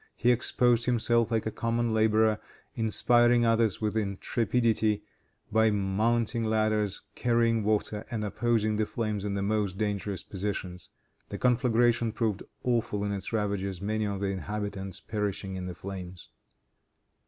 He exposed himself like a common laborer, inspiring others with intrepidity by mounting ladders, carrying water and opposing the flames in the most dangerous positions. The conflagration proved awful in its ravages, many of the inhabitants perishing in the flames.